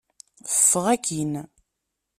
Ffeɣ akkin!